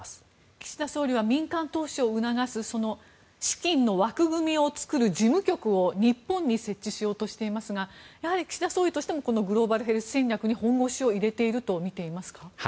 岸田総理は民間投資を促す資金の枠組みを作る事務局を日本に設置しようとしていますがやはり岸田総理としてもグローバルヘルスに本腰を入れているとみていますか？